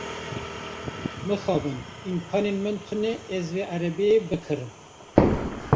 Mixabin, îmkanên min tune ez vê erebeyê bikirim.